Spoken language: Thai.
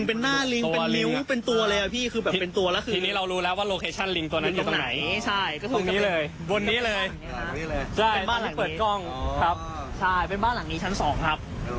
เป็นตัวเลยอ่ะ